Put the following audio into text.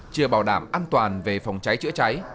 chưa bảo đảm an toàn về phòng cháy chữa cháy